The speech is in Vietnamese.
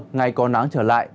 ngày có nắng trở lại